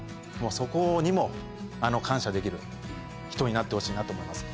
そこにも感謝できる人になってほしいなと思います。